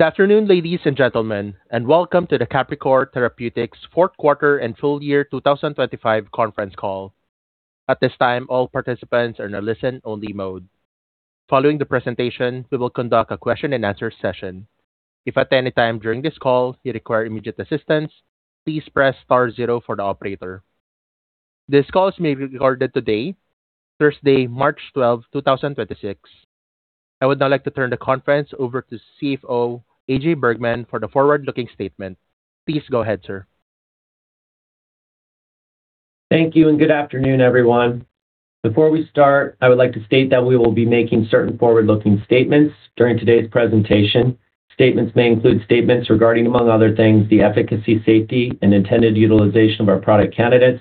Good afternoon, ladies and gentlemen, and welcome to the Capricor Therapeutics fourth quarter and full year 2025 conference call. At this time, all participants are in a listen-only mode. Following the presentation, we will conduct a question-and-answer session. If at any time during this call you require immediate assistance, please press star zero for the operator. This call may be recorded today, Thursday, March 12th, 2026. I would now like to turn the conference over to CFO AJ Bergmann for the forward-looking statement. Please go ahead, sir. Thank you and good afternoon, everyone. Before we start, I would like to state that we will be making certain forward-looking statements during today's presentation. Statements may include statements regarding, among other things, the efficacy, safety, and intended utilization of our product candidates,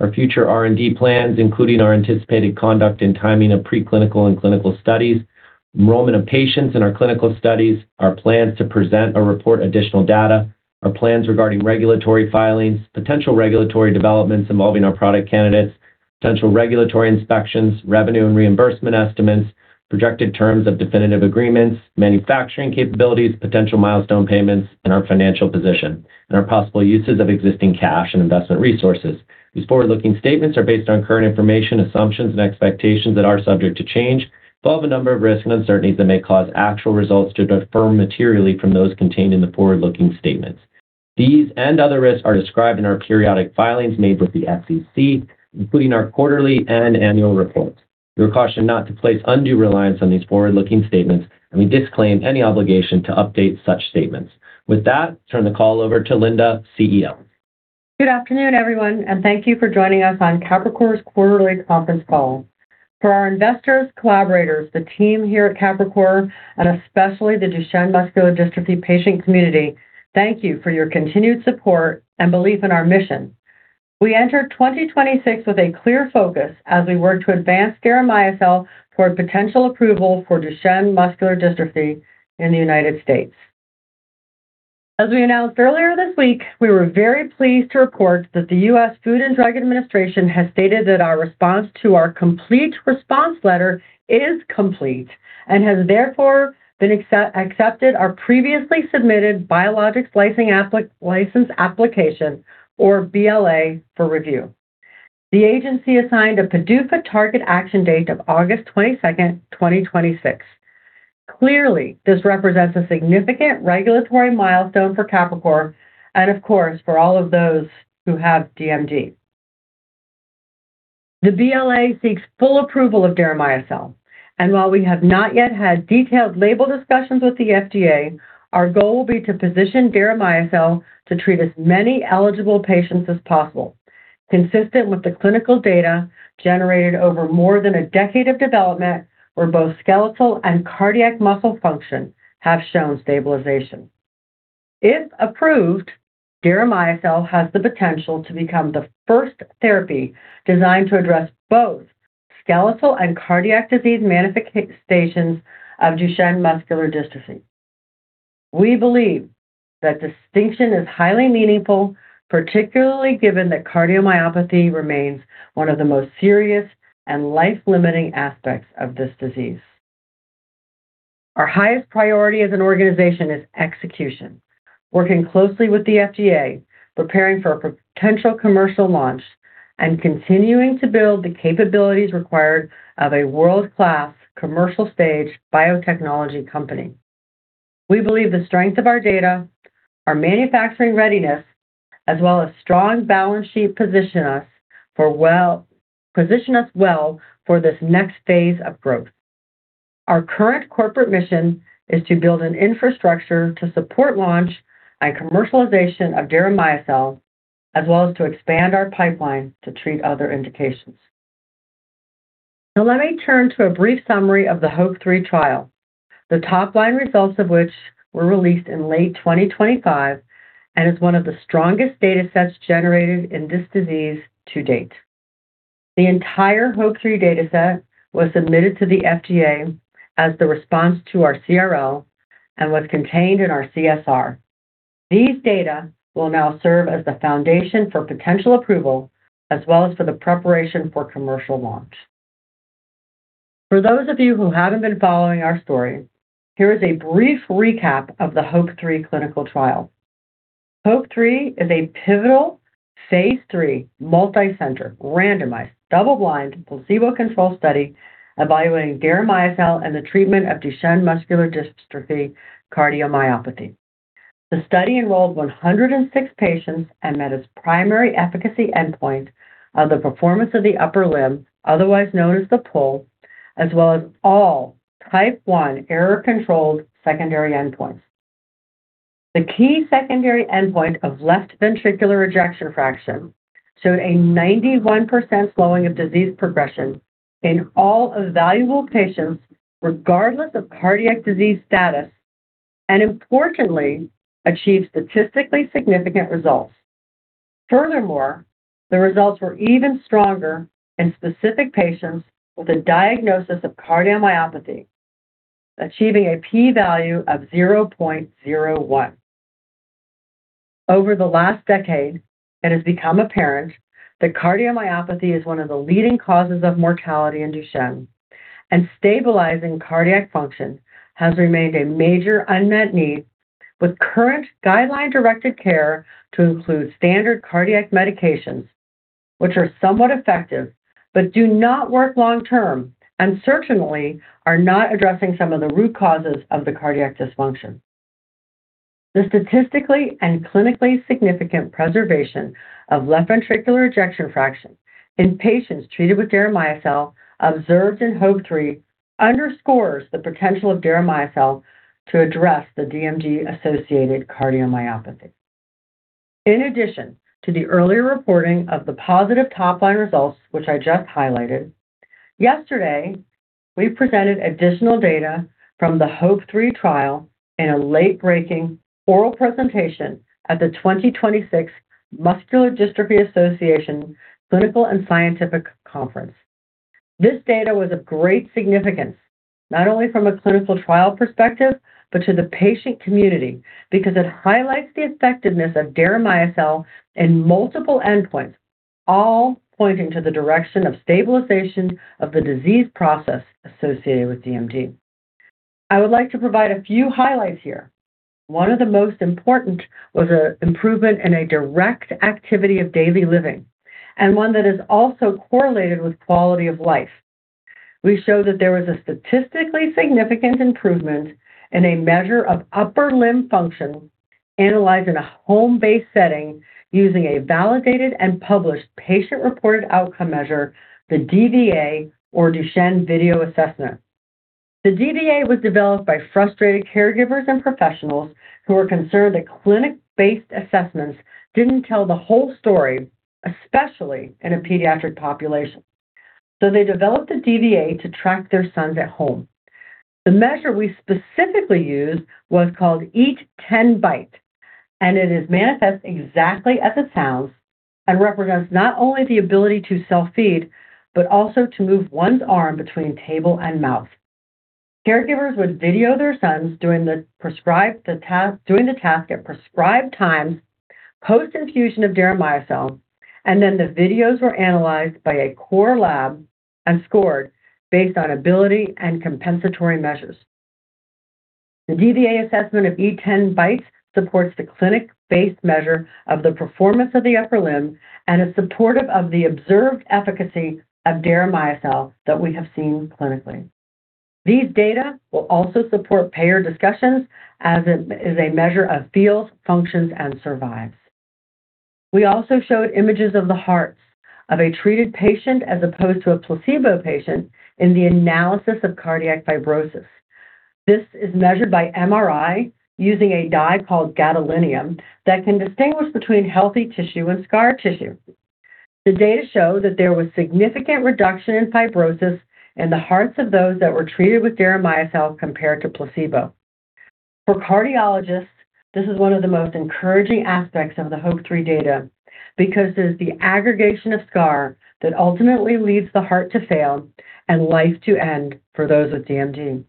our future R&D plans, including our anticipated conduct and timing of preclinical and clinical studies, enrollment of patients in our clinical studies, our plans to present or report additional data, our plans regarding regulatory filings, potential regulatory developments involving our product candidates, potential regulatory inspections, revenue and reimbursement estimates, projected terms of definitive agreements, manufacturing capabilities, potential milestone payments, and our financial position, and our possible uses of existing cash and investment resources. These forward-looking statements are based on current information, assumptions, and expectations that are subject to change, involve a number of risks and uncertainties that may cause actual results to differ materially from those contained in the forward-looking statements. These and other risks are described in our periodic filings made with the SEC, including our quarterly and annual reports. You are cautioned not to place undue reliance on these forward-looking statements, and we disclaim any obligation to update such statements. With that, turn the call over to Linda, CEO. Good afternoon, everyone, and thank you for joining us on Capricor's quarterly conference call. For our investors, collaborators, the team here at Capricor, and especially the Duchenne muscular dystrophy patient community, thank you for your continued support and belief in our mission. We enter 2026 with a clear focus as we work to advance Deramiocel toward potential approval for Duchenne muscular dystrophy in the United States. As we announced earlier this week, we were very pleased to report that the U.S. Food and Drug Administration has stated that our response to our complete response letter is complete and has therefore accepted our previously submitted Biologics License Application, or BLA, for review. The agency assigned a PDUFA target action date of August 22, 2026. Clearly, this represents a significant regulatory milestone for Capricor and, of course, for all of those who have DMD. The BLA seeks full approval of Deramiocel, and while we have not yet had detailed label discussions with the FDA, our goal will be to position Deramiocel to treat as many eligible patients as possible, consistent with the clinical data generated over more than a decade of development where both skeletal and cardiac muscle function have shown stabilization. If approved, Deramiocel has the potential to become the first therapy designed to address both skeletal and cardiac disease manifestations of Duchenne muscular dystrophy. We believe that distinction is highly meaningful, particularly given that cardiomyopathy remains one of the most serious and life-limiting aspects of this disease. Our highest priority as an organization is execution, working closely with the FDA, preparing for a potential commercial launch, and continuing to build the capabilities required of a world-class commercial-stage biotechnology company. We believe the strength of our data, our manufacturing readiness, as well as strong balance sheet position us well for this next phase of growth. Our current corporate mission is to build an infrastructure to support launch and commercialization of Deramiocel, as well as to expand our pipeline to treat other indications. Now let me turn to a brief summary of the HOPE-3 trial, the top-line results of which were released in late 2025 and is one of the strongest data sets generated in this disease to date. The entire HOPE-3 data set was submitted to the FDA as the response to our CRL and was contained in our CSR. These data will now serve as the foundation for potential approval as well as for the preparation for commercial launch. For those of you who haven't been following our story, here is a brief recap of the HOPE-3 clinical trial. HOPE-3 is a pivotal phase III multi-center randomized double-blind placebo-controlled study evaluating Deramiocel in the treatment of Duchenne muscular dystrophy cardiomyopathy. The study enrolled 106 patients and met its primary efficacy endpoint of the Performance of the Upper Limb, otherwise known as the PUL, as well as all Type I error-controlled secondary endpoints. The key secondary endpoint of left ventricular ejection fraction showed a 91% slowing of disease progression in all evaluable patients regardless of cardiac disease status and importantly achieved statistically significant results. Furthermore, the results were even stronger in specific patients with a diagnosis of cardiomyopathy, achieving a P-value of 0.01. Over the last decade, it has become apparent that cardiomyopathy is one of the leading causes of mortality in Duchenne, and stabilizing cardiac function has remained a major unmet need with current guideline-directed care to include standard cardiac medications, which are somewhat effective but do not work long term and certainly are not addressing some of the root causes of the cardiac dysfunction. The statistically and clinically significant preservation of left ventricular ejection fraction in patients treated with Deramiocel observed in HOPE-3 underscores the potential of Deramiocel to address the DMD-associated cardiomyopathy. In addition to the earlier reporting of the positive top-line results, which I just highlighted, yesterday we presented additional data from the HOPE-3 trial in a late-breaking oral presentation at the 2026 Muscular Dystrophy Association Clinical and Scientific Conference. This data was of great significance, not only from a clinical trial perspective, but to the patient community because it highlights the effectiveness of Deramiocel in multiple endpoints, all pointing to the direction of stabilization of the disease process associated with DMD. I would like to provide a few highlights here. One of the most important was an improvement in a direct activity of daily living and one that is also correlated with quality of life. We show that there was a statistically significant improvement in a measure of upper limb function analyzed in a home-based setting using a validated and published patient-reported outcome measure, the DVA or Duchenne Video Assessment. The DVA was developed by frustrated caregivers and professionals who were concerned that clinic-based assessments didn't tell the whole story, especially in a pediatric population. They developed the DVA to track their sons at home. The measure we specifically used was called eat 10 bites, and it is manifest exactly as it sounds and represents not only the ability to self-feed, but also to move one's arm between table and mouth. Caregivers would video their sons doing the task at prescribed times post-infusion of Deramiocel, and then the videos were analyzed by a core lab and scored based on ability and compensatory measures. The DVA assessment of eat 10 bites supports the clinic-based measure of the Performance of the Upper Limb and is supportive of the observed efficacy of Deramiocel that we have seen clinically. These data will also support payer discussions as it is a measure of feels, functions, and survives. We also showed images of the hearts of a treated patient as opposed to a placebo patient in the analysis of cardiac fibrosis. This is measured by MRI using a dye called gadolinium that can distinguish between healthy tissue and scar tissue. The data show that there was significant reduction in fibrosis in the hearts of those that were treated with Deramiocel compared to placebo. For cardiologists, this is one of the most encouraging aspects of the HOPE-3 data because it is the aggregation of scar that ultimately leads the heart to fail and life to end for those with DMD.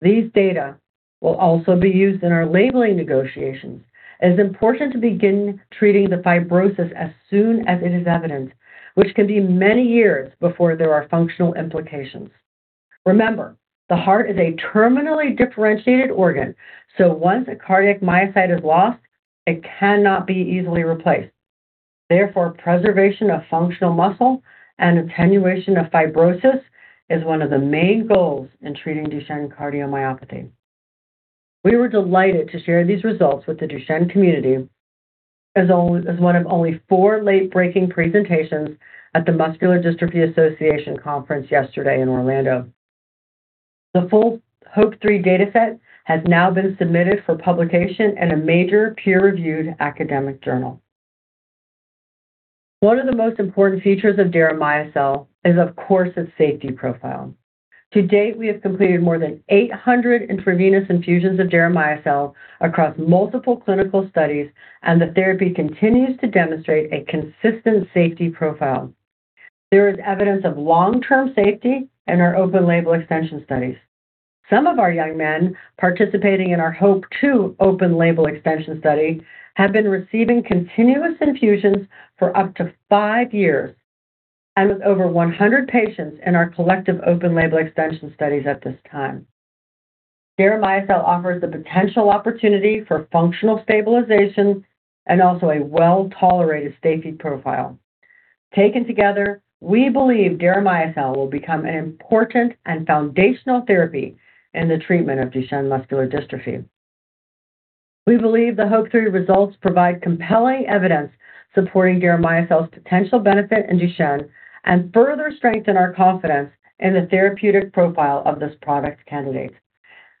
These data will also be used in our labeling negotiations. It is important to begin treating the fibrosis as soon as it is evident, which can be many years before there are functional implications. Remember, the heart is a terminally differentiated organ, so once a cardiac myocyte is lost, it cannot be easily replaced. Therefore, preservation of functional muscle and attenuation of fibrosis is one of the main goals in treating Duchenne cardiomyopathy. We were delighted to share these results with the Duchenne community as one of only four late-breaking presentations at the Muscular Dystrophy Association conference yesterday in Orlando. The full HOPE-3 dataset has now been submitted for publication in a major peer-reviewed academic journal. One of the most important features of Deramiocel is, of course, its safety profile. To date, we have completed more than 800 intravenous infusions of Deramiocel across multiple clinical studies, and the therapy continues to demonstrate a consistent safety profile. There is evidence of long-term safety in our open-label extension studies. Some of our young men participating in our HOPE-2 open-label extension study have been receiving continuous infusions for up to five years and with over 100 patients in our collective open-label extension studies at this time. Deramiocel offers the potential opportunity for functional stabilization and also a well-tolerated safety profile. Taken together, we believe Deramiocel will become an important and foundational therapy in the treatment of Duchenne muscular dystrophy. We believe the HOPE-3 results provide compelling evidence supporting Deramiocel's potential benefit in Duchenne and further strengthen our confidence in the therapeutic profile of this product candidate.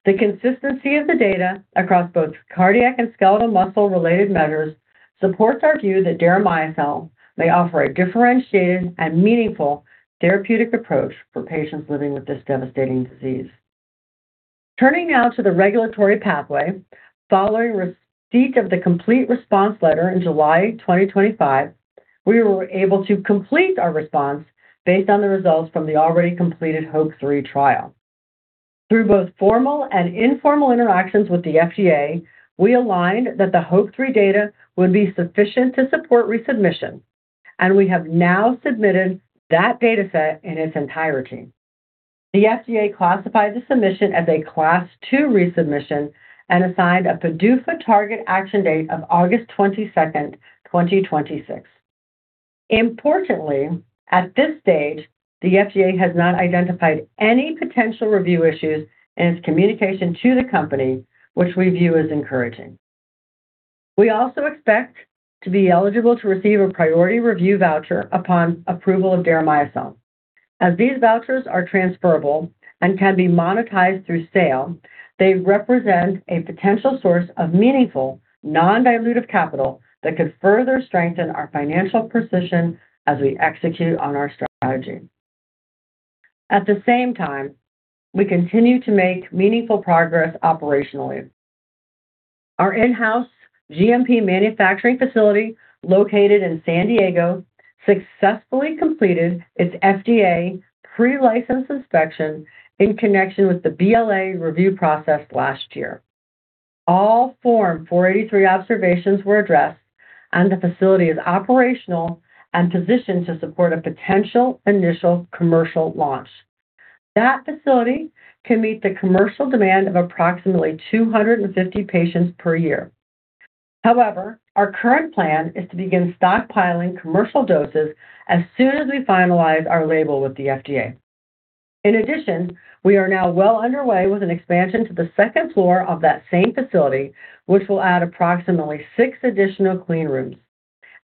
The consistency of the data across both cardiac and skeletal muscle-related measures supports our view that Deramiocel may offer a differentiated and meaningful therapeutic approach for patients living with this devastating disease. Turning now to the regulatory pathway, following receipt of the complete response letter in July 2025, we were able to complete our response based on the results from the already completed HOPE-3 trial. Through both formal and informal interactions with the FDA, we aligned that the HOPE-3 data would be sufficient to support resubmission, and we have now submitted that data set in its entirety. The FDA classified the submission as a Class 2 resubmission and assigned a PDUFA target action date of August 22, 2026. Importantly, at this stage, the FDA has not identified any potential review issues in its communication to the company which we view as encouraging. We also expect to be eligible to receive a priority review voucher upon approval of Deramiocel. As these vouchers are transferable and can be monetized through sale, they represent a potential source of meaningful non-dilutive capital that could further strengthen our financial position as we execute on our strategy. At the same time, we continue to make meaningful progress operationally. Our in-house GMP manufacturing facility located in San Diego successfully completed its FDA pre-license inspection in connection with the BLA review process last year. All Form 483 observations were addressed, and the facility is operational and positioned to support a potential initial commercial launch. That facility can meet the commercial demand of approximately 250 patients per year. However, our current plan is to begin stockpiling commercial doses as soon as we finalize our label with the FDA. In addition, we are now well underway with an expansion to the second floor of that same facility, which will add approximately six additional clean rooms.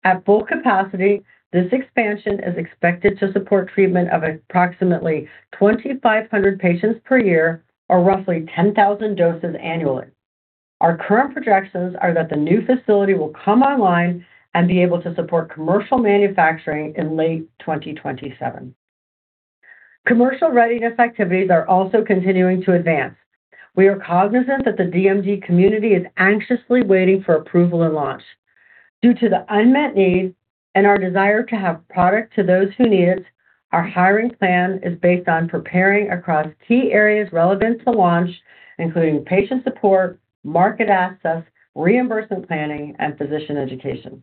At full capacity, this expansion is expected to support treatment of approximately 2,500 patients per year or roughly 10,000 doses annually. Our current projections are that the new facility will come online and be able to support commercial manufacturing in late 2027. Commercial readiness activities are also continuing to advance. We are cognizant that the DMD community is anxiously waiting for approval and launch. Due to the unmet need and our desire to have product to those who need it, our hiring plan is based on preparing across key areas relevant to launch, including patient support, market access, reimbursement planning, and physician education.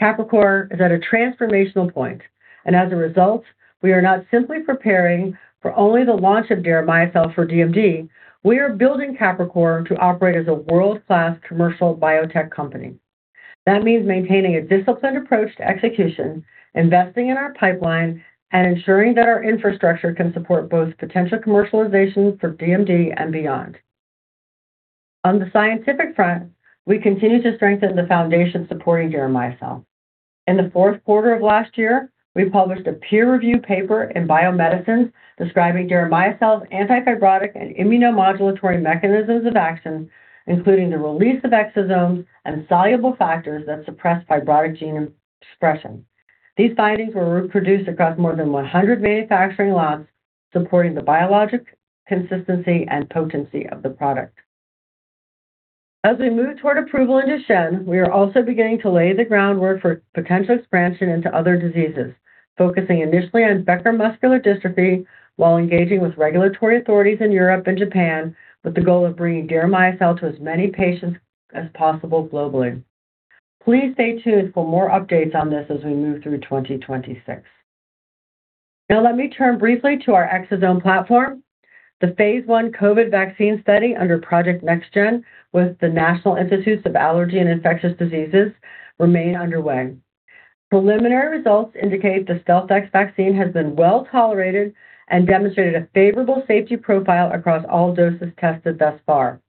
Capricor is at a transformational point, and as a result, we are not simply preparing for only the launch of Deramiocel for DMD, we are building Capricor to operate as a world-class commercial biotech company. That means maintaining a disciplined approach to execution, investing in our pipeline, and ensuring that our infrastructure can support both potential commercialization for DMD and beyond. On the scientific front, we continue to strengthen the foundation supporting Deramiocel. In the fourth quarter of last year, we published a peer-reviewed paper in Biomedicines describing Deramiocel's anti-fibrotic and immunomodulatory mechanisms of action, including the release of exosomes and soluble factors that suppress fibrotic gene expression. These findings were reproduced across more than 100 manufacturing lots, supporting the biologic consistency and potency of the product. As we move toward approval in Duchenne, we are also beginning to lay the groundwork for potential expansion into other diseases, focusing initially on Becker muscular dystrophy while engaging with regulatory authorities in Europe and Japan with the goal of bringing Deramiocel to as many patients as possible globally. Please stay tuned for more updates on this as we move through 2026. Now let me turn briefly to our exosome platform. The phase one COVID vaccine study under Project NextGen with the National Institute of Allergy and Infectious Diseases remain underway. Preliminary results indicate the StealthX vaccine has been well-tolerated and demonstrated a favorable safety profile across all doses tested thus far.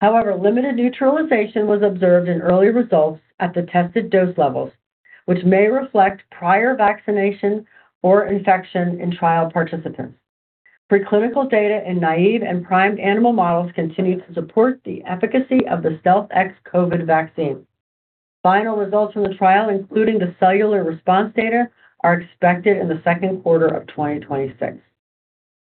However, limited neutralization was observed in early results at the tested dose levels, which may reflect prior vaccination or infection in trial participants. Preclinical data in naive and primed animal models continue to support the efficacy of the StealthX COVID vaccine. Final results from the trial, including the cellular response data, are expected in the second quarter of 2026.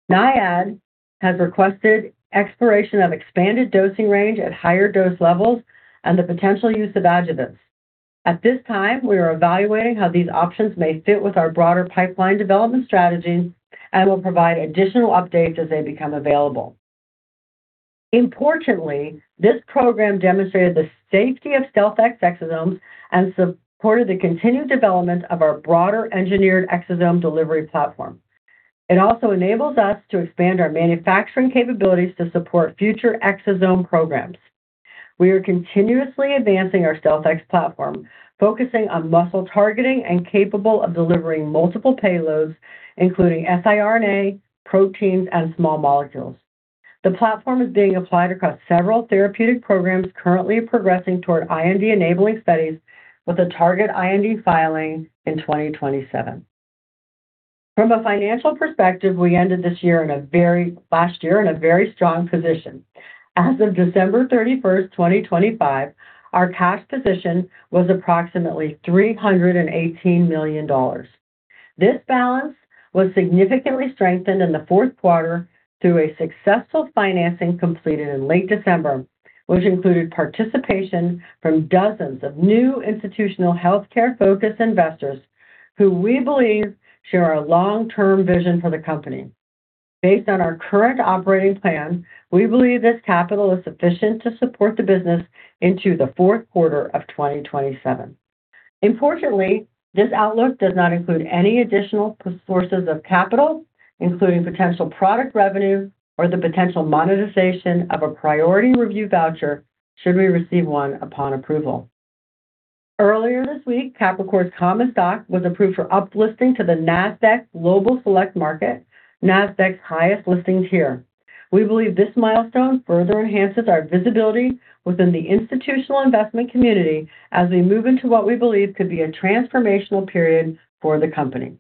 NIAID has requested exploration of expanded dosing range at higher dose levels and the potential use of adjuvants. At this time, we are evaluating how these options may fit with our broader pipeline development strategies and will provide additional updates as they become available. Importantly, this program demonstrated the safety of StealthX exosomes and supported the continued development of our broader engineered exosome delivery platform. It also enables us to expand our manufacturing capabilities to support future exosome programs. We are continuously advancing our StealthX platform, focusing on muscle targeting and capable of delivering multiple payloads, including siRNA, proteins, and small molecules. The platform is being applied across several therapeutic programs currently progressing toward IND-enabling studies with a target IND filing in 2027. From a financial perspective, we ended last year in a very strong position. As of December 31, 2025, our cash position was approximately $318 million. This balance was significantly strengthened in the fourth quarter through a successful financing completed in late December, which included participation from dozens of new institutional healthcare-focused investors who we believe share our long-term vision for the company. Based on our current operating plan, we believe this capital is sufficient to support the business into the fourth quarter of 2027. Unfortunately, this outlook does not include any additional sources of capital, including potential product revenue or the potential monetization of a priority review voucher should we receive one upon approval. Earlier this week, Capricor's common stock was approved for uplisting to the Nasdaq Global Select Market, Nasdaq's highest listing tier. We believe this milestone further enhances our visibility within the institutional investment community as we move into what we believe could be a transformational period for the company.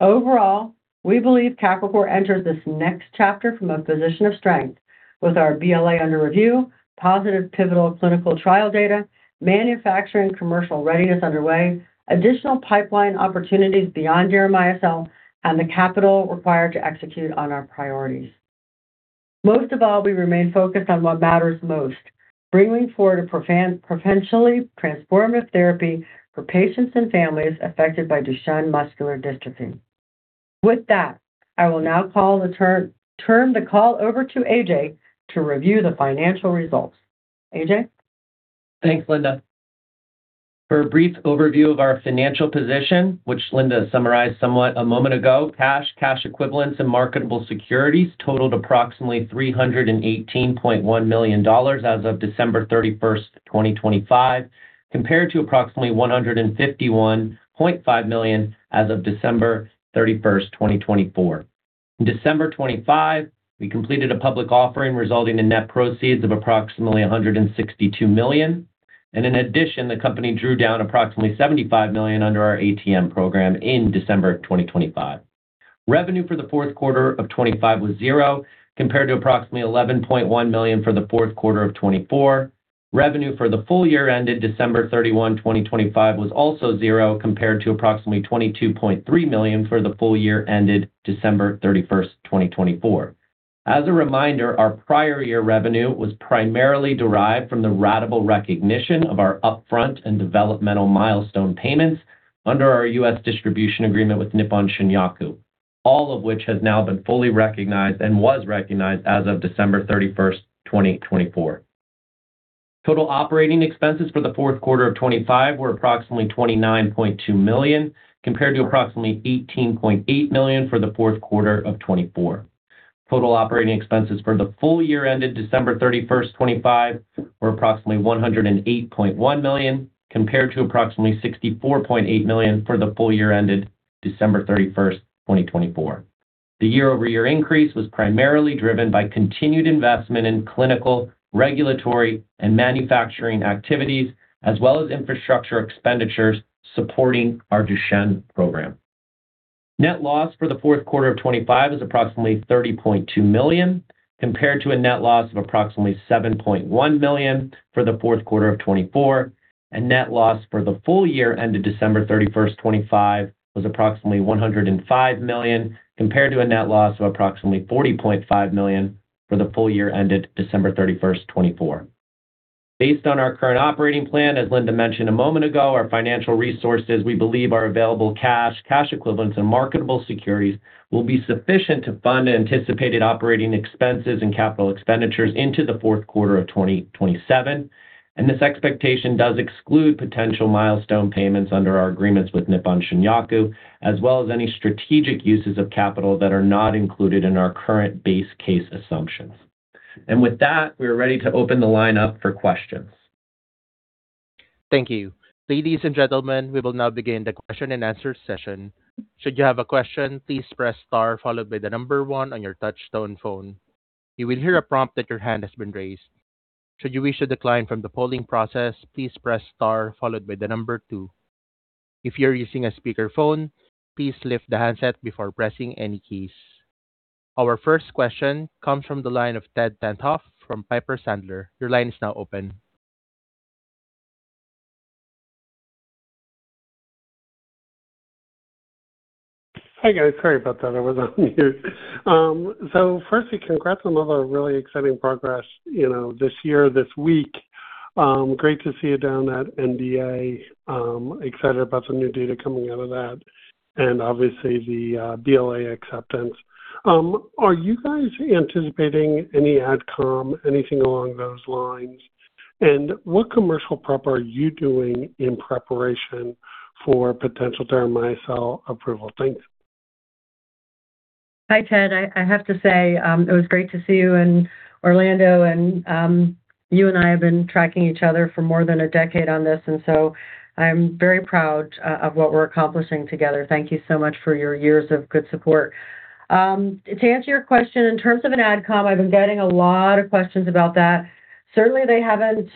Overall, we believe Capricor enters this next chapter from a position of strength with our BLA under review, positive pivotal clinical trial data, manufacturing commercial readiness underway, additional pipeline opportunities beyond Deramiocel, and the capital required to execute on our priorities. Most of all, we remain focused on what matters most, bringing forward a potentially transformative therapy for patients and families affected by Duchenne muscular dystrophy. With that, I will now turn the call over to AJ to review the financial results. AJ? Thanks, Linda. For a brief overview of our financial position, which Linda summarized somewhat a moment ago, cash equivalents, and marketable securities totaled approximately $318.1 million as of December 31, 2025, compared to approximately $151.5 million as of December 31, 2024. In December 2025, we completed a public offering resulting in net proceeds of approximately $162 million, and in addition, the company drew down approximately $75 million under our ATM program in December 2025. Revenue for the fourth quarter of 2025 was $0 compared to approximately $11.1 million for the fourth quarter of 2024. Revenue for the full year ended December 31, 2025 was also $0 compared to approximately $22.3 million for the full year ended December 31, 2024. As a reminder, our prior year revenue was primarily derived from the ratable recognition of our upfront and developmental milestone payments under our U.S. distribution agreement with Nippon Shinyaku, all of which has now been fully recognized and was recognized as of December 31, 2024. Total operating expenses for the fourth quarter of 2025 were approximately $29.2 million, compared to approximately $18.8 million for the fourth quarter of 2024. Total operating expenses for the full year ended December 31, 2025, were approximately $108.1 million, compared to approximately $64.8 million for the full year ended December 31, 2024. The year-over-year increase was primarily driven by continued investment in clinical, regulatory, and manufacturing activities, as well as infrastructure expenditures supporting our Duchenne program. Net loss for the fourth quarter of 2025 is approximately $30.2 million, compared to a net loss of approximately $7.1 million for the fourth quarter of 2024. Net loss for the full year ended December 31st, 2025, was approximately $105 million, compared to a net loss of approximately $40.5 million for the full year ended December 31st, 2024. Based on our current operating plan, as Linda mentioned a moment ago, our financial resources, we believe our available cash equivalents, and marketable securities will be sufficient to fund anticipated operating expenses and capital expenditures into the fourth quarter of 2027. This expectation does exclude potential milestone payments under our agreements with Nippon Shinyaku, as well as any strategic uses of capital that are not included in our current base case assumptions. With that, we are ready to open the line up for questions. Thank you. Ladies and gentlemen, we will now begin the question-and-answer session. Should you have a question, please press star followed by one on your touch tone phone. You will hear a prompt that your hand has been raised. Should you wish to decline from the polling process, please press star followed by two. If you're using a speakerphone, please lift the handset before pressing any keys. Our first question comes from the line of Edward Tenthoff from Piper Sandler. Your line is now open. Hi, guys. Sorry about that. I was on mute. Firstly, congrats on all the really exciting progress, you know, this year, this week. Great to see you down at MDA, excited about some new data coming out of that and obviously the BLA acceptance. Are you guys anticipating any Ad Comm, anything along those lines? What commercial prep are you doing in preparation for potential Deramiocel approval? Thanks. Hi, Ted. I have to say, it was great to see you in Orlando and, you and I have been tracking each other for more than a decade on this, and so I'm very proud of what we're accomplishing together. Thank you so much for your years of good support. To answer your question, in terms of an Ad Comm, I've been getting a lot of questions about that. Certainly, they haven't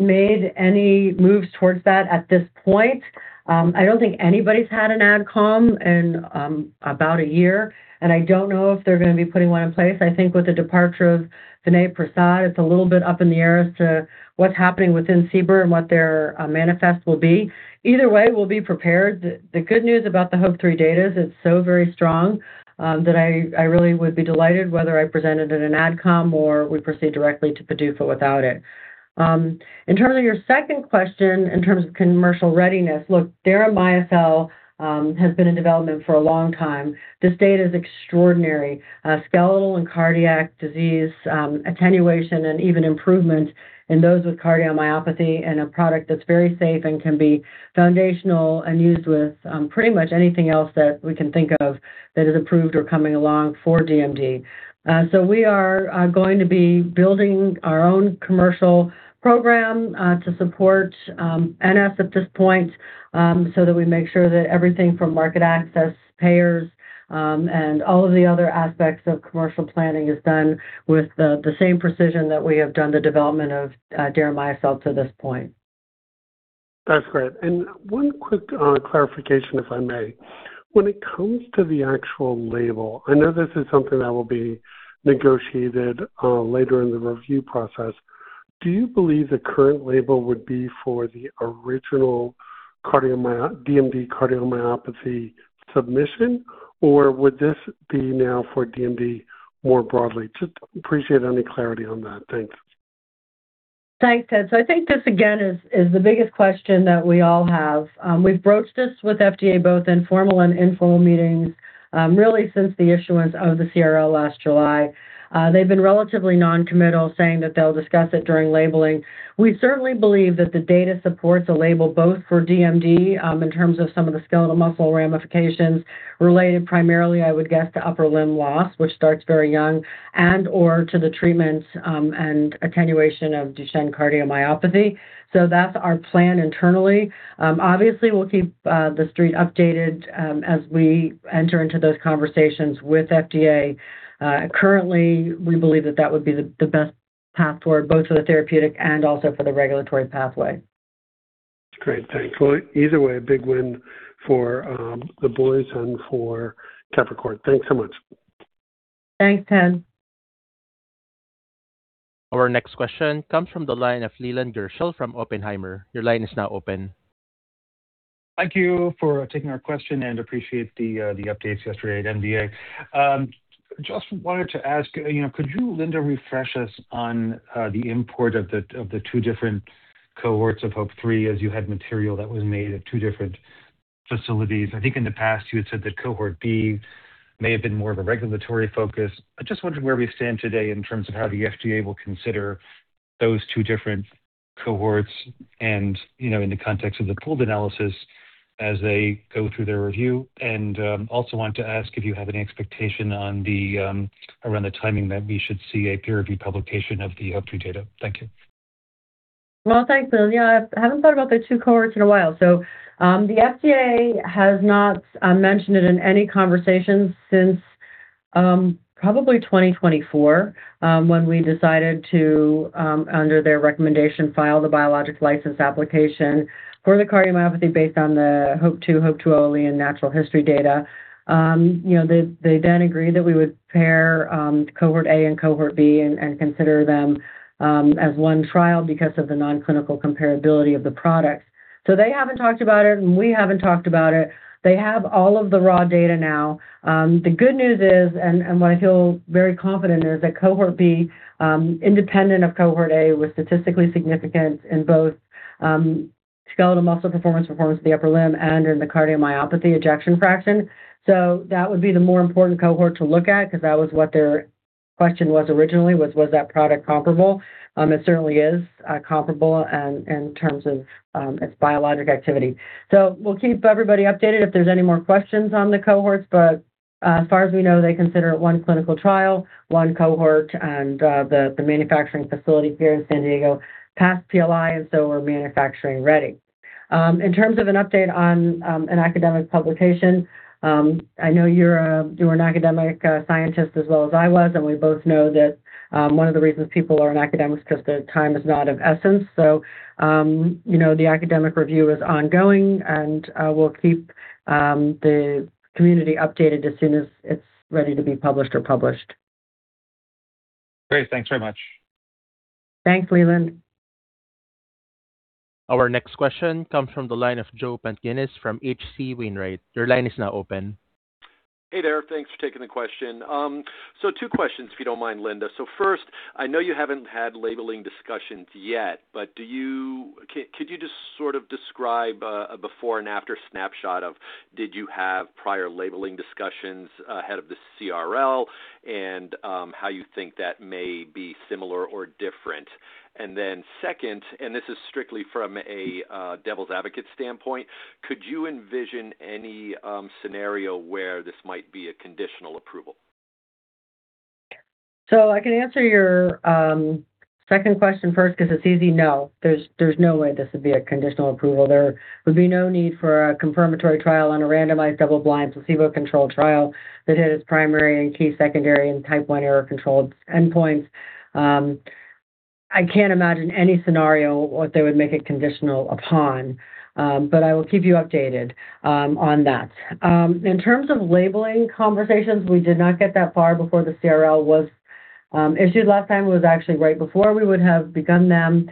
made any moves towards that at this point. I don't think anybody's had an Ad Comm in about a year, and I don't know if they're gonna be putting one in place. I think with the departure of Vinay Prasad, it's a little bit up in the air as to what's happening within CBER and what their mandate will be. Either way, we'll be prepared. The good news about the HOPE-3 data is it's so very strong that I really would be delighted whether I presented at an Ad Comm or we proceed directly to PDUFA without it. In terms of your second question, in terms of commercial readiness, look, Deramiocel has been in development for a long time. This data is extraordinary. Skeletal and cardiac disease attenuation and even improvement in those with cardiomyopathy, and a product that's very safe and can be foundational and used with pretty much anything else that we can think of that is approved or coming along for DMD. We are going to be building our own commercial program to support NS at this point so that we make sure that everything from market access, payers and all of the other aspects of commercial planning is done with the same precision that we have done the development of Deramiocel to this point. That's great. One quick clarification, if I may. When it comes to the actual label, I know this is something that will be negotiated later in the review process. Do you believe the current label would be for the original DMD cardiomyopathy submission, or would this be now for DMD more broadly? Just appreciate any clarity on that. Thanks. Thanks, Ted. I think this again is the biggest question that we all have. We've broached this with FDA, both informal and formal meetings, really since the issuance of the CRL last July. They've been relatively non-committal, saying that they'll discuss it during labeling. We certainly believe that the data supports a label both for DMD, in terms of some of the skeletal muscle ramifications related primarily, I would guess, to upper limb loss, which starts very young, and/or to the treatments, and attenuation of Duchenne cardiomyopathy. That's our plan internally. Obviously, we'll keep the street updated, as we enter into those conversations with FDA. Currently, we believe that would be the best path forward both for the therapeutic and also for the regulatory pathway. Great. Thanks. Well, either way, a big win for the boys and for Capricor. Thanks so much. Thanks, Ted. Our next question comes from the line of Leland Gershell from Oppenheimer. Your line is now open. Thank you for taking our question and appreciate the updates yesterday at MDA. Just wanted to ask, you know, could you, Linda, refresh us on the import of the two different cohorts of HOPE-3 as you had material that was made at two different facilities? I think in the past you had said that Cohort B may have been more of a regulatory focus. I just wondered where we stand today in terms of how the FDA will consider those two different cohorts and, you know, in the context of the pooled analysis as they go through their review. Also want to ask if you have any expectation on around the timing that we should see a peer review publication of the HOPE-3 data. Thank you. Well, thanks, Leland. Yeah, I haven't thought about the two cohorts in a while. The FDA has not mentioned it in any conversations since probably 2024, when we decided to, under their recommendation, file the Biologics License Application for the cardiomyopathy based on the HOPE-2, HOPE-2 OLE and natural history data. You know, they then agreed that we would pair Cohort A and Cohort B and consider them as one trial because of the non-clinical comparability of the products. They haven't talked about it, and we haven't talked about it. They have all of the raw data now. The good news is what I feel very confident in is that Cohort B, independent of Cohort A, was statistically significant in both skeletal muscle performance of the upper limb and in the cardiomyopathy ejection fraction. That would be the more important cohort to look at 'cause that was what their question was originally, was that product comparable? It certainly is comparable in terms of its biologic activity. We'll keep everybody updated if there's any more questions on the cohorts, but as far as we know, they consider it one clinical trial, one cohort. The manufacturing facility here in San Diego passed PLI, and we're manufacturing-ready. In terms of an update on an academic publication, I know you're an academic scientist as well as I was, and we both know that one of the reasons people are in academics 'cause their time is not of essence. You know, the academic review is ongoing, and we'll keep the community updated as soon as it's ready to be published. Great. Thanks very much. Thanks, Leland. Our next question comes from the line of Joe Pantginis from H.C. Wainwright. Your line is now open. Hey there. Thanks for taking the question. Two questions, if you don't mind, Linda. First, I know you haven't had labeling discussions yet, but could you just sort of describe a before and after snapshot of did you have prior labeling discussions ahead of the CRL and how you think that may be similar or different? Second, and this is strictly from a devil's advocate standpoint, could you envision any scenario where this might be a conditional approval? I can answer your second question first 'cause it's easy. No, there's no way this would be a conditional approval. There would be no need for a confirmatory trial on a randomized double-blind placebo-controlled trial that hit its primary and key secondary and Type I error-controlled endpoints. I can't imagine any scenario what they would make it conditional upon, but I will keep you updated on that. In terms of labeling conversations, we did not get that far before the CRL was issued last time. It was actually right before we would have begun them.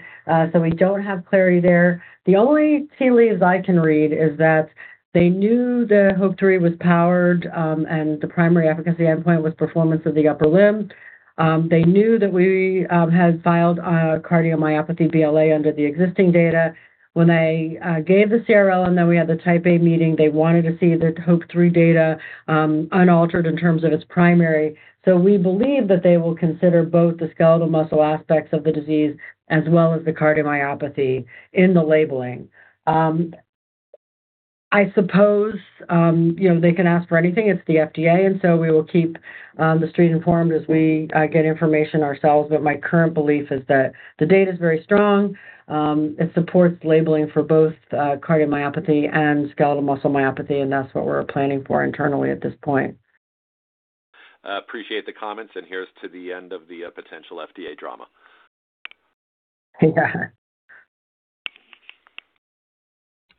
We don't have clarity there. The only tea leaves I can read is that they knew the HOPE-3 was powered, and the primary efficacy endpoint was Performance of the Upper Limb. They knew that we had filed a cardiomyopathy BLA under the existing data. When they gave the CRL and then we had the Type A meeting, they wanted to see the HOPE-3 data, unaltered in terms of its primary. We believe that they will consider both the skeletal muscle aspects of the disease as well as the cardiomyopathy in the labeling. I suppose, you know, they can ask for anything. It's the FDA, and so we will keep the street informed as we get information ourselves. My current belief is that the data is very strong. It supports labeling for both cardiomyopathy and skeletal muscle myopathy, and that's what we're planning for internally at this point. Appreciate the comments, and here's to the end of the potential FDA drama.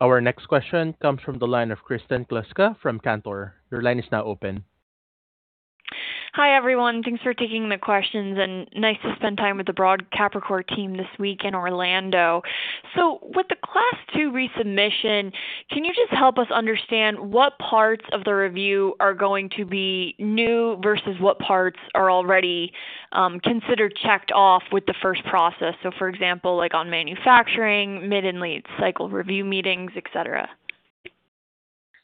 Our next question comes from the line of Kristen Kluska from Cantor. Your line is now open. Hi, everyone. Thanks for taking the questions and nice to spend time with the broad Capricor team this week in Orlando. With the Class 2 resubmission, can you just help us understand what parts of the review are going to be new versus what parts are already considered checked off with the first process? For example, like, on manufacturing, mid- and late-cycle review meetings, et cetera.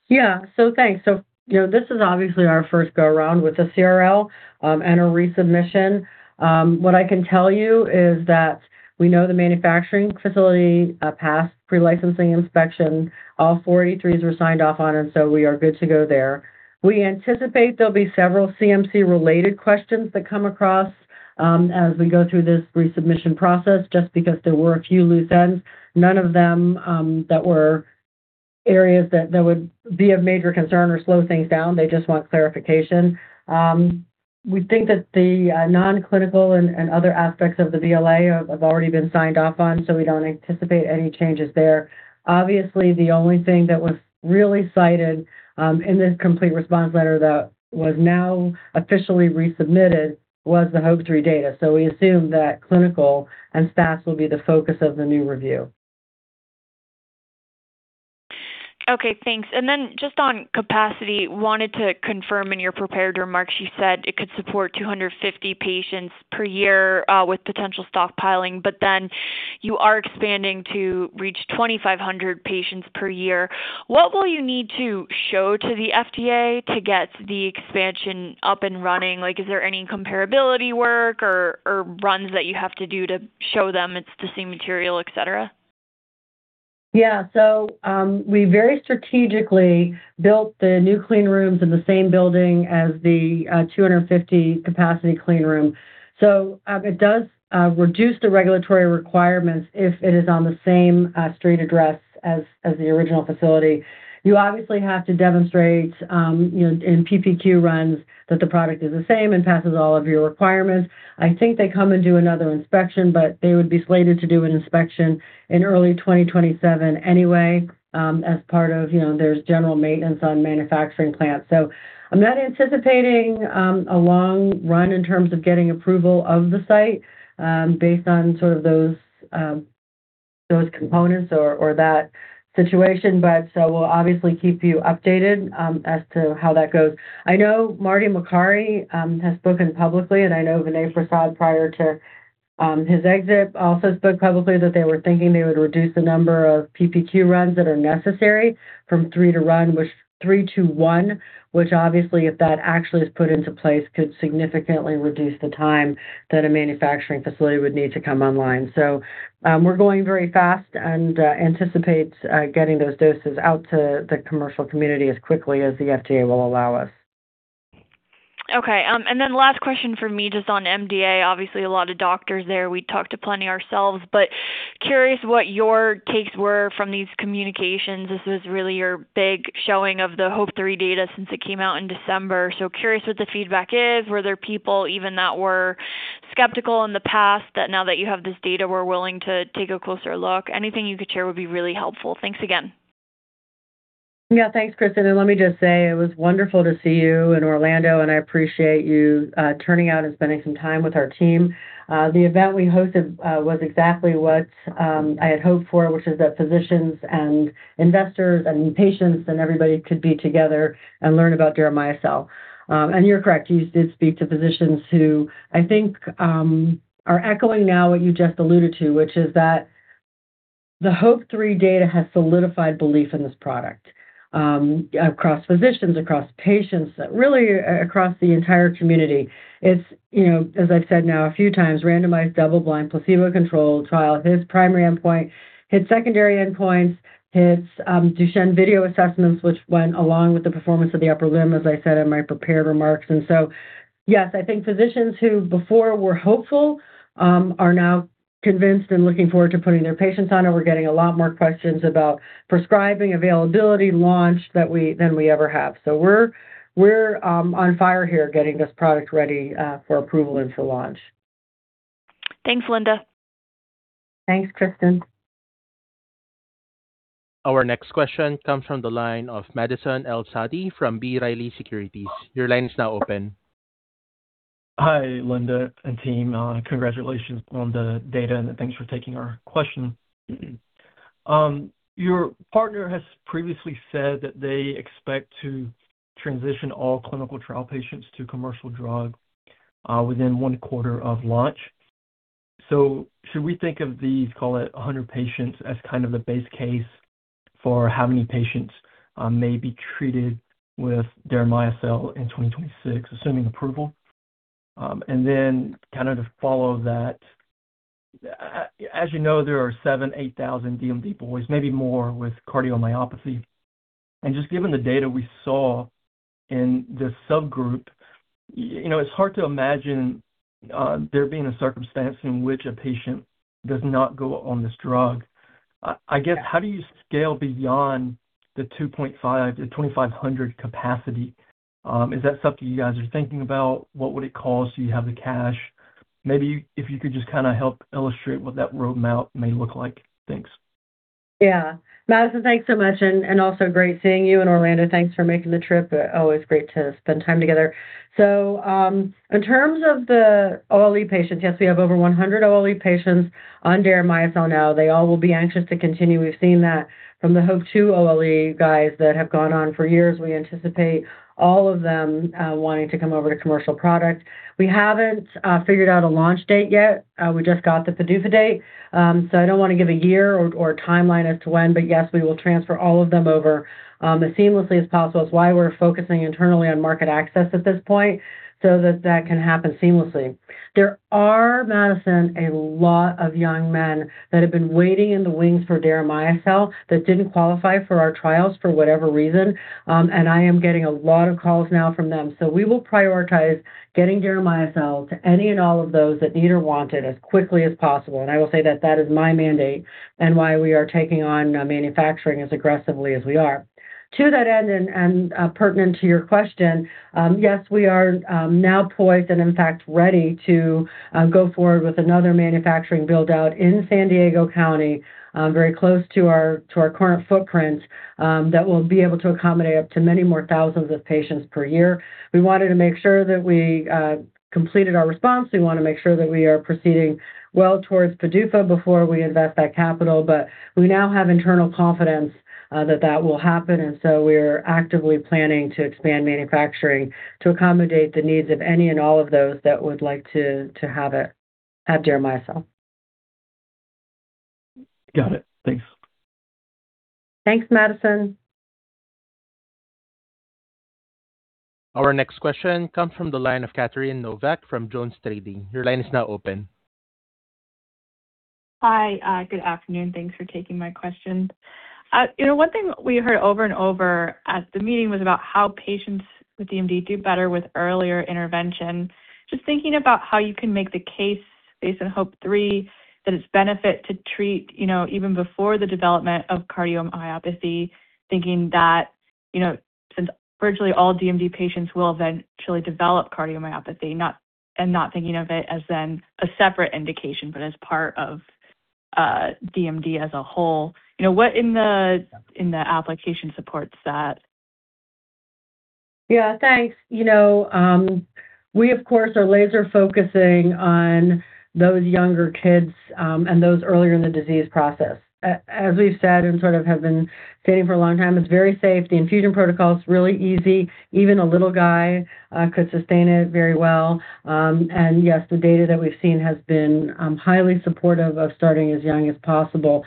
Yeah. Thanks. You know, this is obviously our first go-around with the CRL and a resubmission. What I can tell you is that we know the manufacturing facility passed pre-license inspection. All four E3s were signed off on, and we are good to go there. We anticipate there'll be several CMC-related questions that come across as we go through this resubmission process just because there were a few loose ends. None of them that were areas that would be of major concern or slow things down. They just want clarification. We think that the non-clinical and other aspects of the BLA have already been signed off on, so we don't anticipate any changes there. Obviously, the only thing that was really cited in this complete response letter that was now officially resubmitted was the HOPE-3 data. We assume that clinical and staff will be the focus of the new review. Okay, thanks. Just on capacity, wanted to confirm in your prepared remarks, you said it could support 250 patients per year with potential stockpiling, but then you are expanding to reach 2,500 patients per year. What will you need to show to the FDA to get the expansion up and running? Like, is there any comparability work or runs that you have to do to show them it's the same material, et cetera? Yeah. We very strategically built the new clean rooms in the same building as the 250-capacity clean room. It does reduce the regulatory requirements if it is on the same street address as the original facility. You obviously have to demonstrate, you know, in PPQ runs that the product is the same and passes all of your requirements. I think they come and do another inspection, but they would be slated to do an inspection in early 2027 anyway, as part of, you know, there's general maintenance on manufacturing plants. I'm not anticipating a long run in terms of getting approval of the site, based on sort of those components or that situation, but we'll obviously keep you updated as to how that goes. I know Marty Makary has spoken publicly, and I know Vinay Prasad, prior to his exit, also spoke publicly that they were thinking they would reduce the number of PPQ runs that are necessary from three to one, which obviously if that actually is put into place could significantly reduce the time that a manufacturing facility would need to come online. We're going very fast and anticipate getting those doses out to the commercial community as quickly as the FDA will allow us. Okay. Last question from me just on MDA. Obviously, a lot of doctors there. We talked to plenty ourselves, but curious what your takes were from these communications. This was really your big showing of the HOPE-3 data since it came out in December. Curious what the feedback is. Were there people even that were skeptical in the past that now that you have this data were willing to take a closer look? Anything you could share would be really helpful. Thanks again. Yeah. Thanks, Kristen, and let me just say it was wonderful to see you in Orlando, and I appreciate you turning out and spending some time with our team. The event we hosted was exactly what I had hoped for, which is that physicians and investors and patients and everybody could be together and learn about Deramiocel. You're correct. You did speak to physicians who I think are echoing now what you just alluded to, which is that the HOPE-3 data has solidified belief in this product across physicians, across patients, really across the entire community. It's, you know, as I've said now a few times, randomized double-blind placebo-controlled trial, hits primary endpoint, hits secondary endpoints, hits Duchenne Video Assessments, which went along with the Performance of the Upper Limb, as I said in my prepared remarks. Yes, I think physicians who before were hopeful are now convinced and looking forward to putting their patients on it. We're getting a lot more questions about prescribing, availability, launch than we ever have. We're on fire here getting this product ready for approval and for launch. Thanks, Linda. Thanks, Kristen. Our next question comes from the line of Madison El-Saadi from B. Riley Securities. Your line is now open. Hi, Linda and team. Congratulations on the data, and thanks for taking our question. Your partner has previously said that they expect to transition all clinical trial patients to commercial drug, within one quarter of launch. Should we think of these, call it 100 patients, as kind of the base case for how many patients may be treated with Deramiocel in 2026, assuming approval? To follow that, as you know, there are 7,000-8,000 DMD boys, maybe more, with cardiomyopathy. Just given the data we saw in this subgroup, you know, it's hard to imagine there being a circumstance in which a patient does not go on this drug. I guess how do you scale beyond the 2.5, the 2,500 capacity? Is that something you guys are thinking about? What would it cost? Do you have the cash? Maybe if you could just kind of help illustrate what that roadmap may look like. Thanks. Yeah. Madison, thanks so much, and also great seeing you in Orlando. Thanks for making the trip. Always great to spend time together. In terms of the OLE patients, yes, we have over 100 OLE patients on Deramiocel now. They all will be anxious to continue. We've seen that from the HOPE-2 OLE guys that have gone on for years. We anticipate all of them wanting to come over to commercial product. We haven't figured out a launch date yet. We just got the PDUFA date. I don't wanna give a year or timeline as to when. Yes, we will transfer all of them over as seamlessly as possible. It's why we're focusing internally on market access at this point, so that that can happen seamlessly. There are, Madison, a lot of young men that have been waiting in the wings for Deramiocel that didn't qualify for our trials for whatever reason. I am getting a lot of calls now from them. We will prioritize getting Deramiocel to any and all of those that need or want it as quickly as possible. I will say that that is my mandate and why we are taking on manufacturing as aggressively as we are. To that end, pertinent to your question, yes, we are now poised and in fact ready to go forward with another manufacturing build-out in San Diego County, very close to our current footprint, that will be able to accommodate up to many more thousands of patients per year. We wanted to make sure that we completed our response. We wanna make sure that we are proceeding well towards PDUFA before we invest that capital. We now have internal confidence that that will happen. We're actively planning to expand manufacturing to accommodate the needs of any and all of those that would like to have it, Deramiocel. Got it. Thanks. Thanks, Madison. Our next question comes from the line of Catherine Novack from JonesTrading. Your line is now open. Hi. Good afternoon. Thanks for taking my questions. You know, one thing we heard over and over at the meeting was about how patients with DMD do better with earlier intervention. Just thinking about how you can make the case based on HOPE-3 that it's beneficial to treat, you know, even before the development of cardiomyopathy, thinking that, you know, since virtually all DMD patients will eventually develop cardiomyopathy, and not thinking of it as a separate indication, but as part of DMD as a whole. You know, what in the application supports that? Yeah, thanks. You know, we of course are laser-focusing on those younger kids and those earlier in the disease process. As we've said and sort of have been stating for a long time, it's very safe. The infusion protocol is really easy. Even a little guy could sustain it very well. Yes, the data that we've seen has been highly supportive of starting as young as possible.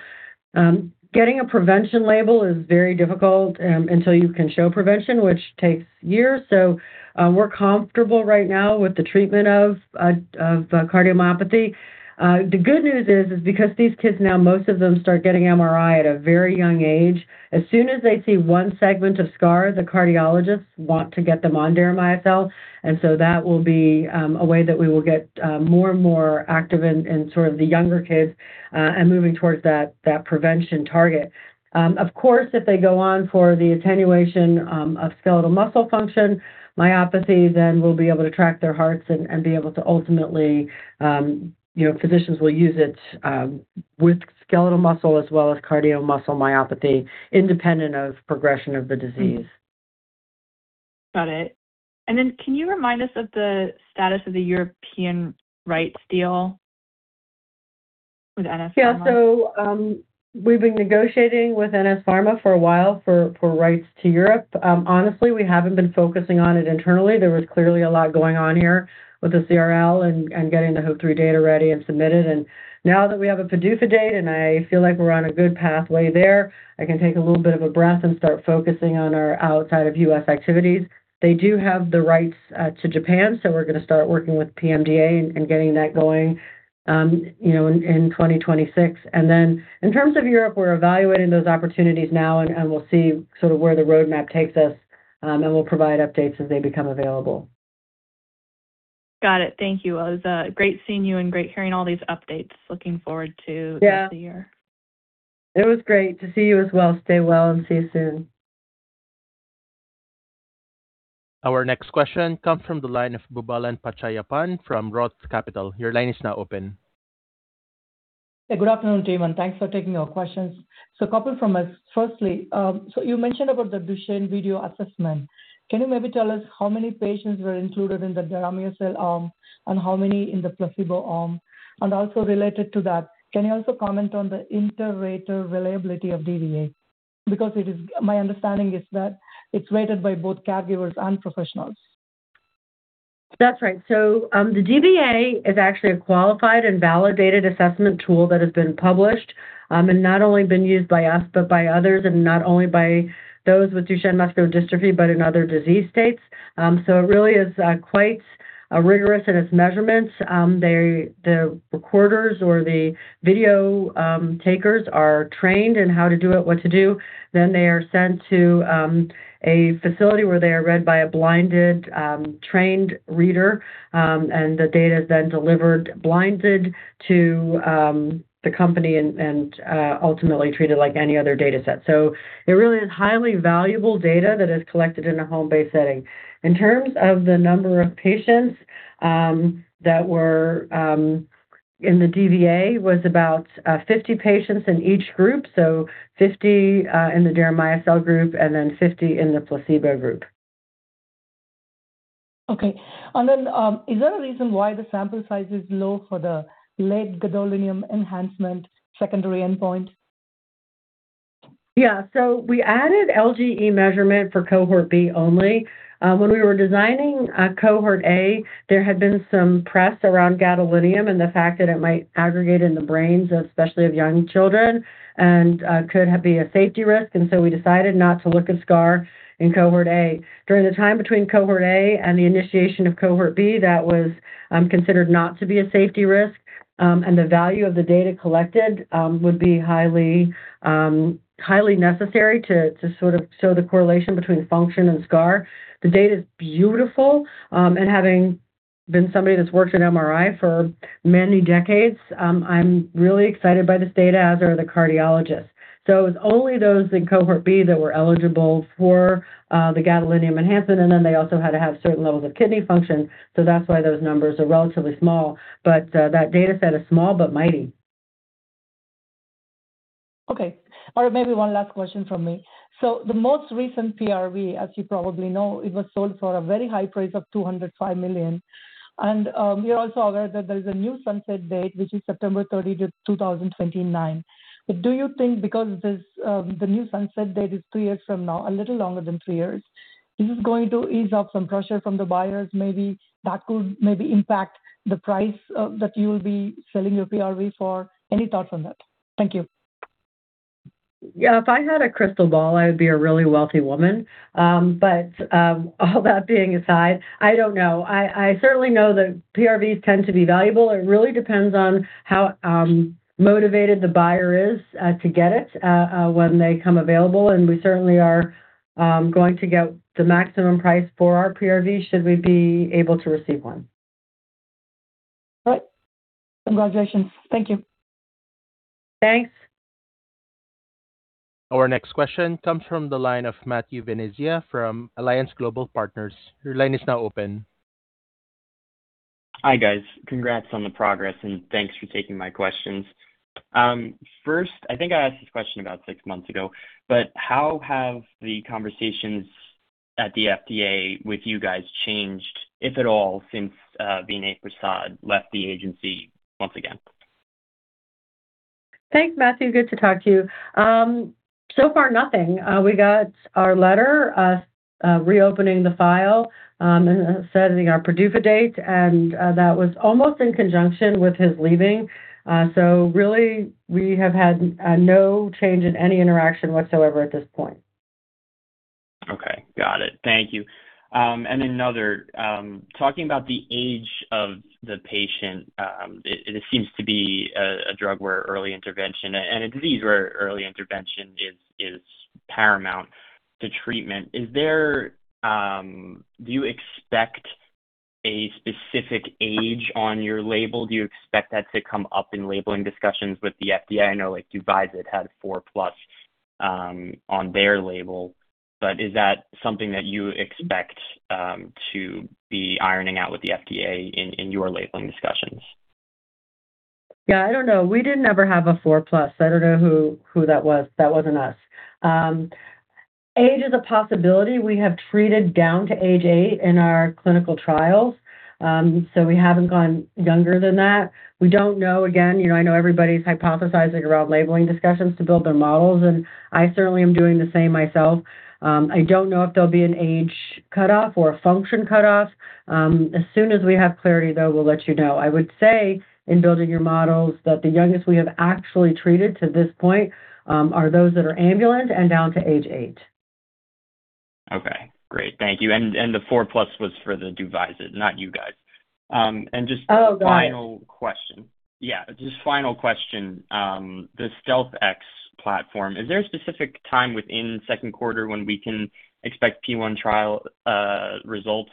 Getting a prevention label is very difficult until you can show prevention, which takes years. We're comfortable right now with the treatment of cardiomyopathy. The good news is because these kids now, most of them start getting MRI at a very young age. As soon as they see one segment of scar, the cardiologists want to get them on Deramiocel. That will be a way that we will get more and more active in sort of the younger kids and moving towards that prevention target. Of course, if they go on for the attenuation of skeletal muscle function myopathy, then we'll be able to track their hearts and be able to ultimately. You know, physicians will use it with skeletal muscle as well as cardiac muscle myopathy independent of progression of the disease. Got it. Can you remind us of the status of the European rights deal with NS Pharma? Yeah. We've been negotiating with NS Pharma for a while for rights to Europe. Honestly, we haven't been focusing on it internally. There was clearly a lot going on here with the CRL and getting the HOPE-3 data ready and submitted. Now that we have a PDUFA date and I feel like we're on a good pathway there, I can take a little bit of a breath and start focusing on our outside of U.S. activities. They do have the rights to Japan, so we're gonna start working with PMDA and getting that going, you know, in 2026. Then in terms of Europe, we're evaluating those opportunities now and we'll see sort of where the roadmap takes us. We'll provide updates as they become available. Got it. Thank you. It was great seeing you and great hearing all these updates. Looking forward to. Yeah. The rest of the year. It was great to see you as well. Stay well and see you soon. Our next question comes from the line of Boobalan Pachaiyappan from Roth Capital. Your line is now open. Good afternoon, team, and thanks for taking our questions. A couple from us. Firstly, you mentioned about the Duchenne Video Assessment. Can you maybe tell us how many patients were included in the Deramiocel arm and how many in the placebo arm? And also related to that, can you also comment on the inter-rater reliability of DVA? Because my understanding is that it's rated by both caregivers and professionals. That's right. The DVA is actually a qualified and validated assessment tool that has been published, and not only been used by us, but by others, and not only by those with Duchenne muscular dystrophy, but in other disease states. It really is quite rigorous in its measurements. The recorders or the video takers are trained in how to do it, what to do. They are sent to a facility where they are read by a blinded trained reader. The data is then delivered blinded to the company and ultimately treated like any other dataset. It really is highly valuable data that is collected in a home-based setting. In terms of the number of patients that were in the DVA, was about 50 patients in each group. 50 in the Deramiocel group and then 50 in the placebo group. Okay. Is there a reason why the sample size is low for the late gadolinium enhancement secondary endpoint? Yeah. We added LGE measurement for Cohort B only. When we were designing Cohort A, there had been some press around gadolinium and the fact that it might aggregate in the brains, especially of young children, and could be a safety risk. We decided not to look at scar in Cohort A. During the time between Cohort A and the initiation of Cohort B, that was considered not to be a safety risk, and the value of the data collected would be highly necessary to sort of show the correlation between function and scar. The data is beautiful. Having been somebody that's worked in MRI for many decades, I'm really excited by this data, as are the cardiologists. It was only those in Cohort B that were eligible for the gadolinium enhancement, and then they also had to have certain levels of kidney function. That's why those numbers are relatively small. That dataset is small but mighty. Okay. All right, maybe one last question from me. The most recent PRV, as you probably know, it was sold for a very high price of $205 million. We are also aware that there's a new sunset date, which is September 30 to 2029. Do you think because this, the new sunset date is three years from now, a little longer than three years, this is going to ease off some pressure from the buyers maybe that could maybe impact the price of that you'll be selling your PRV for? Any thoughts on that? Thank you. Yeah, if I had a crystal ball, I would be a really wealthy woman. All that being aside, I don't know. I certainly know that PRVs tend to be valuable. It really depends on how motivated the buyer is to get it when they come available. We certainly are going to get the maximum price for our PRV should we be able to receive one. All right. Congratulations. Thank you. Thanks. Our next question comes from the line of Matthew Venezia from Alliance Global Partners. Your line is now open. Hi, guys. Congrats on the progress, and thanks for taking my questions. First, I think I asked this question about six months ago, but how have the conversations at the FDA with you guys changed, if at all, since Vinay Prasad left the agency once again? Thanks, Matthew. Good to talk to you. So far nothing. We got our letter reopening the file and setting our PDUFA date, and that was almost in conjunction with his leaving. Really, we have had no change in any interaction whatsoever at this point. Okay. Got it. Thank you. Another. Talking about the age of the patient, it seems to be a drug where early intervention and a disease where early intervention is paramount to treatment. Do you expect a specific age on your label? Do you expect that to come up in labeling discussions with the FDA? I know, like, Duvyzat had 4+ on their label. But is that something that you expect to be ironing out with the FDA in your labeling discussions? Yeah, I don't know. We didn't ever have a 4+. I don't know who that was. That wasn't us. Age is a possibility. We have treated down to age eight in our clinical trials. So, we haven't gone younger than that. We don't know. Again, you know, I know everybody's hypothesizing around labeling discussions to build their models, and I certainly am doing the same myself. I don't know if there'll be an age cutoff or a function cutoff. As soon as we have clarity, though, we'll let you know. I would say in building your models that the youngest we have actually treated to this point are those that are ambulant and down to age eight. Okay, great. Thank you. The 4+ was for the Duvyzat, not you guys. Oh, got it. Final question. Yeah, just final question. The StealthX platform, is there a specific time within second quarter when we can expect phase one trial results?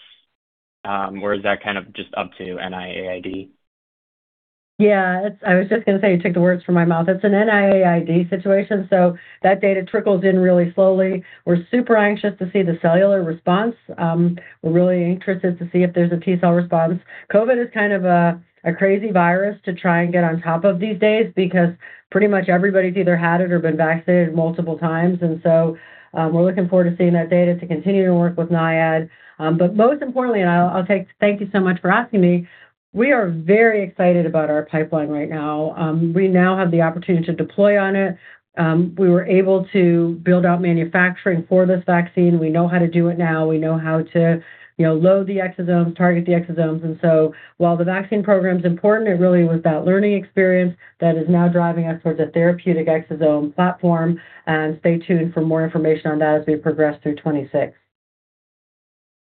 Or is that kind of just up to NIAID? Yeah. I was just gonna say, you took the words from my mouth. It's an NIAID situation, so that data trickles in really slowly. We're super anxious to see the cellular response. We're really interested to see if there's a T-cell response. COVID is kind of a crazy virus to try and get on top of these days because pretty much everybody's either had it or been vaccinated multiple times. We're looking forward to seeing that data to continue to work with NIAID. But most importantly, and I'll take thank you so much for asking me, we are very excited about our pipeline right now. We now have the opportunity to deploy on it. We were able to build out manufacturing for this vaccine. We know how to do it now. We know how to, you know, load the exosomes, target the exosomes. While the vaccine program is important, it really was that learning experience that is now driving us towards a therapeutic exosome platform. Stay tuned for more information on that as we progress through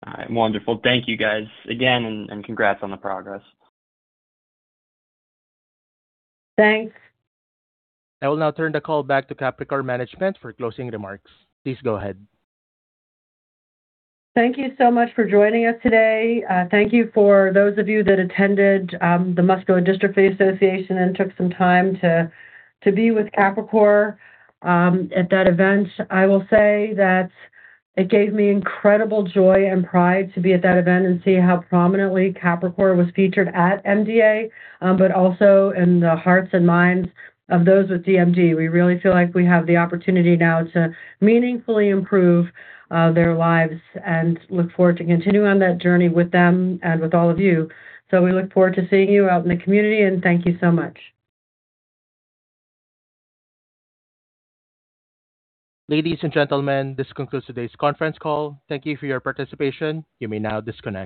2026. All right, wonderful. Thank you guys again, and congrats on the progress. Thanks. I will now turn the call back to Capricor management for closing remarks. Please go ahead. Thank you so much for joining us today. Thank you for those of you that attended the Muscular Dystrophy Association and took some time to be with Capricor at that event. I will say that it gave me incredible joy and pride to be at that event and see how prominently Capricor was featured at MDA, but also in the hearts and minds of those with DMD. We really feel like we have the opportunity now to meaningfully improve their lives and look forward to continuing on that journey with them and with all of you. We look forward to seeing you out in the community, and thank you so much. Ladies and gentlemen, this concludes today's conference call. Thank you for your participation. You may now disconnect.